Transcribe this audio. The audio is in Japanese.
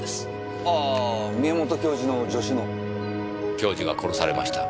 教授が殺されました。